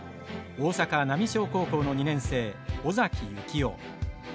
大阪浪商高校の２年生尾崎行雄。